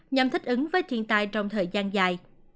nhằm thích ứng với thiên tai trong thời gian dài